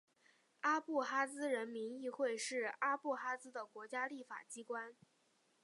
阿布哈兹人民议会是阿布哈兹的国家立法机关。